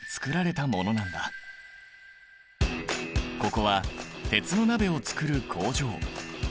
ここは鉄の鍋を作る工場。